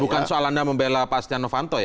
bukan soal anda membela pak setia novanto ya